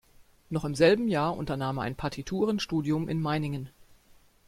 Noch im selben Jahr unternahm er ein Partituren-Studium in Meiningen.